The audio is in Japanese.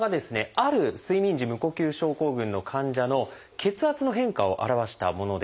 ある睡眠時無呼吸症候群の患者の血圧の変化を表したものです。